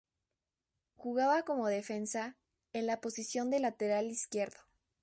Jugaba como defensa, en la posición de lateral izquierdo.